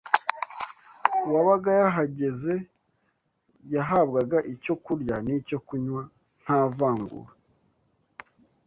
uwabaga yahageze yahabwaga icyo kurya n’icyo kunywa nta vangura